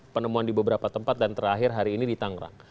penemuan di beberapa tempat dan terakhir hari ini di tangerang